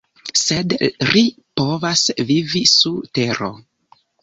Sed ri povas vivi sur tero.